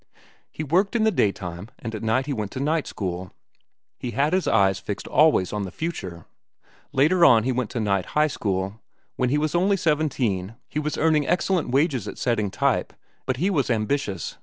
"He worked in the daytime, and at night he went to night school. He had his eyes fixed always on the future. Later on he went to night high school. When he was only seventeen, he was earning excellent wages at setting type, but he was ambitious.